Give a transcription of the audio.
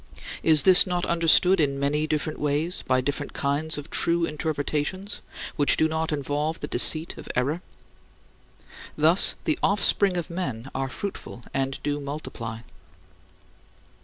" Is this not understood in many different ways by different kinds of true interpretations which do not involve the deceit of error? Thus the offspring of men are fruitful and do multiply.